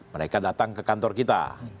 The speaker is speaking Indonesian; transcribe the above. mereka datang ke kantor kita